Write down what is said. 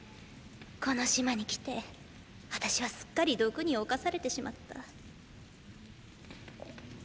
この島に来てあたしはすっかり毒に侵されてしまった。